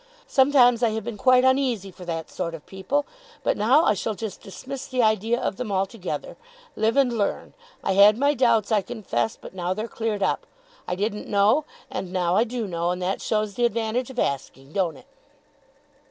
Sometimes I have been quite uneasy for that sort of people; but now I shall just dismiss the idea of them, altogether. Live and learn. I had my doubts, I confess, but now they're cleared up. I didn't know, and now I do know, and that shows the advantage of asking don't it?